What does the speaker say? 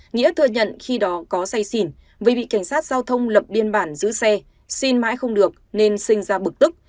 nghĩa thừa nhận khi đó có say xỉn vì bị cảnh sát giao thông lập biên bản giữ xe xin mãi không được nên sinh ra bực tức